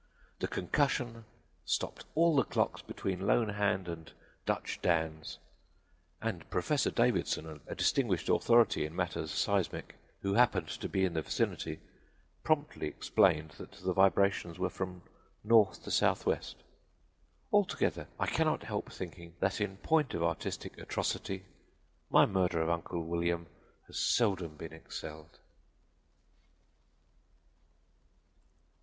The concussion stopped all the clocks between Lone Hand and Dutch Dan's, and Professor Davidson, a distinguished authority in matters seismic, who happened to be in the vicinity, promptly explained that the vibrations were from north to southwest. "Altogether, I cannot help thinking that in point of artistic atrocity my murder of Uncle William has seldom been excelled."